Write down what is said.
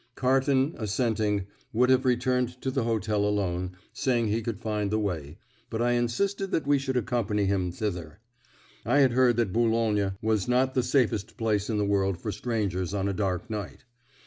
Carton, assenting, would have returned to the hotel alone, saying he could find the way, but I insisted that we should accompany him thither. I had heard that Boulogne was not the safest place in the world for strangers on a dark night.